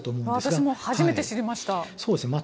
私も初めて知りました。